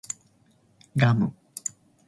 ガム